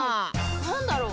なんだろう？